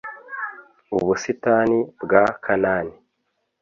ubusitani bwa kanani